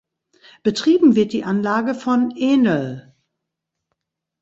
Betrieben wird die Anlage von Enel.